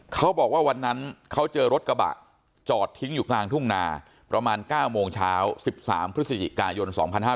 เขาบอกว่าวันนั้นเขาเจอรถกระบะจอดทิ้งอยู่กลางทุ่งนาประมาณ๙โมงเช้า๑๓พฤศจิกายน๒๕๕๙